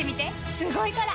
すごいから！